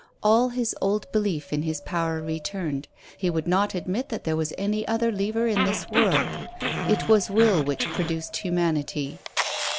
All his old belief in his power returned, he would not admit that there was any other lever in this world; it was will which produced human ity.